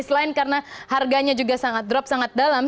selain karena harganya juga sangat drop sangat dalam